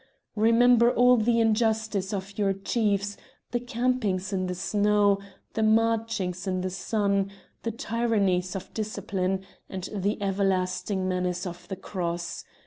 Remember all the injustice of your chiefs, the campings in the snow, the marchings in the sun, the tyrannies of discipline, and the everlasting menace of the cross!